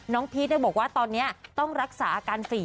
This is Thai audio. พีชบอกว่าตอนนี้ต้องรักษาอาการฝี